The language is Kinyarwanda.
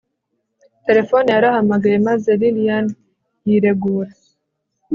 terefone yarahamagaye maze lilian yiregura